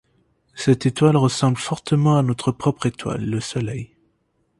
Cette étoile ressemble fortement à notre propre étoile, le Soleil.